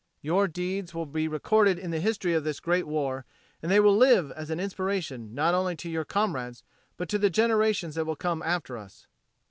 Your deeds will be recorded in the history of this great war and they will live as an inspiration not only to your comrades but to the generations that will come after us."